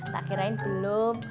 tak kirain belum